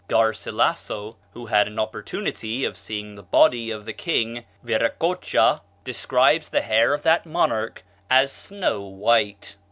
Garcilasso, who had an opportunity of seeing the body of the king, Viracocha, describes the hair of that monarch as snow white.